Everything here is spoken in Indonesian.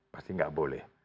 pasti nggak boleh